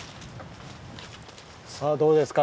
さあどうですか？